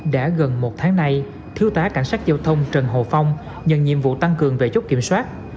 đã gần một tháng nay thiếu tá cảnh sát giao thông trần hồ phong nhận nhiệm vụ tăng cường về chốt kiểm soát